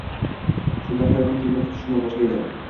Shunda hayotni kengroq tushuna boshlaydi